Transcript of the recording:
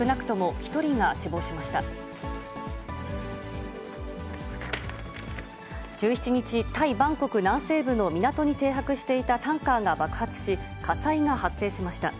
１７日、タイ・バンコク南西部の港に停泊していたタンカーが爆発し、火災が発生しました。